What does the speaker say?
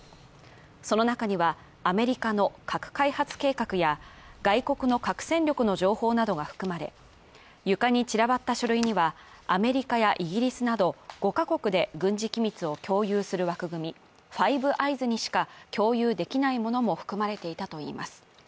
その中には、アメリカの核開発計画や外国の核戦力の情報などが含まれ、床に散らばった書類にはアメリカやイギリスなど５か国で軍事機密を共有する枠組み、ファイブアイズにしか共有できないものも含まれていたといいます。